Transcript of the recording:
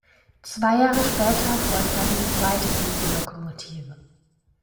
Zwei Jahre später folgte eine zweite Diesellokomotive.